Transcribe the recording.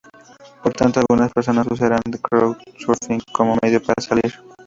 Por tanto, algunas personas usarán el crowd surfing como medio para salir.